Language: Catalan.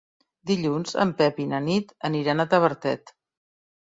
Dilluns en Pep i na Nit aniran a Tavertet.